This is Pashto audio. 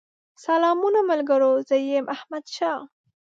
سلامونه ملګرو! زه يم احمدشاه